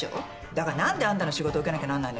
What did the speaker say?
だから何であんたの仕事受けなきゃなんないのよ。